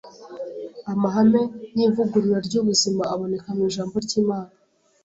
Amahame y’ivugurura ry’ubuzima aboneka mu ijambo ry’Imana.